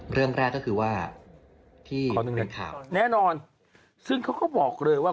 เรื่องแรกก็คือว่าที่เขาหนึ่งในข่าวแน่นอนซึ่งเขาก็บอกเลยว่า